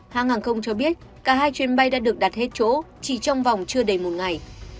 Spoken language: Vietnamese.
hãng hàng không cho biết cả hai chuyến bay đã được đặt hết chỗ chỉ trong vòng chưa đầy một ngày